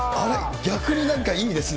逆になんかいいですね。